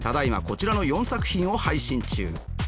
こちらの４作品を配信中。